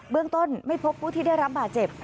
เรื่องต้นไม่พบผู้ที่ได้รับบาดเจ็บ